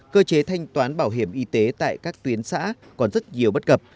cơ chế thanh toán bảo hiểm y tế tại các tuyến xã còn rất nhiều bất cập